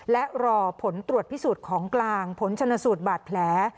และรอผลตรวจพิสูจน์ของกลางผลชนสูตรบาดแผล